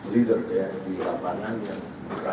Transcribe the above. leader dia di lapangan yang menggerakkan semuanya